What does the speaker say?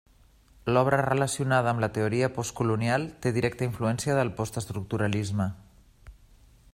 L'obra relacionada amb la teoria postcolonial té directa influència del postestructuralisme.